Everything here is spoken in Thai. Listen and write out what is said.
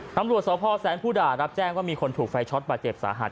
ตำรวจสพแสนภูด่ารับแจ้งว่ามีคนถูกไฟช็อตบาดเจ็บสาหัส